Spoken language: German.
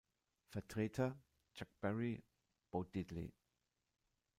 Vertreter: Chuck Berry, Bo Diddley.